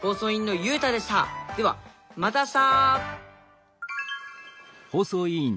ではまた明日！